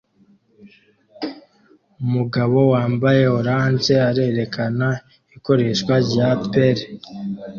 Umugabo wambaye orange arerekana ikoreshwa rya peeler